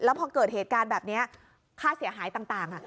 พอเกิดเหตุการณ์แบบนี้ค่าเสียหายต่าง